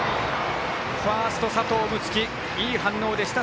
ファースト、佐藤夢樹いい反応でした。